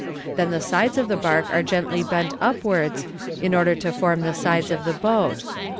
Then the sides of the bark are gently bent upwards, in order to form the sides of the boat.